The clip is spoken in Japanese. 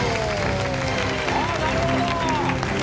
あなるほど。